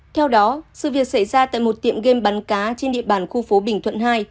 theo đó sự việc xảy ra tại một tiệm game bắn cá trên địa bàn khu phố bình thuận hai